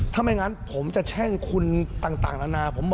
ถ้าไม่งั้นผมจะแช่งคุณต่างนานา